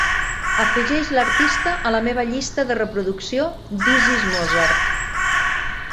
Afegeix l'artista a la meva llista de reproducció "This is Mozart".